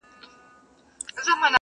چي هوښیار طوطي ګونګی سو په سر پک سو،